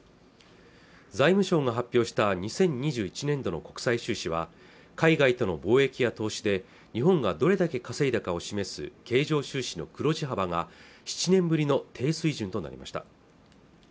財務省が発表した２０２１年度の国際収支は海外との貿易や投資で日本がどれだけ稼いだかを示す経常収支の黒字幅が７年ぶりの低水準となりました